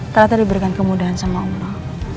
taatnya diberikan kemudahan sama allah